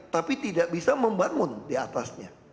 tapi tidak bisa membangun diatasnya